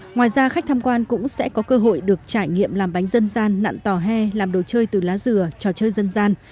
ngoài ra khách tham quan cũng sẽ có cơ hội được trải nghiệm làm bánh dân gian nặn tòa hè làm đồ chơi từ lá dừa trò chơi dân gian